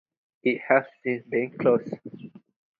It has since been closed.